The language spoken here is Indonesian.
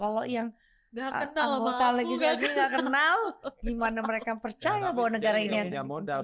kalau yang total legislatif nggak kenal gimana mereka percaya bahwa negara ini adalah modal